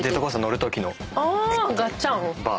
ガッチャン？